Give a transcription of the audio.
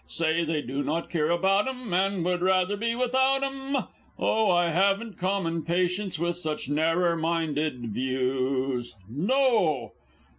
Say they do not care about 'em, and would rather be without 'em Oh, I haven't common patience with such narrer minded views! Spoken No!